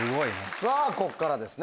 さぁこっからですね。